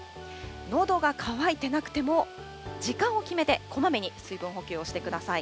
のどが渇いてなくても、時間を決めて、こまめに水分補給をしてください。